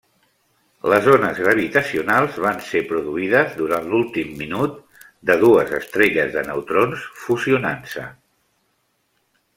Les ones gravitacionals van ser produïdes durant l'últim minut de dues estrelles de neutrons fusionant-se.